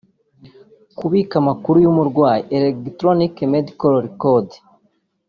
Kubika amakuru y’umurwayi (Electronic Medical Record)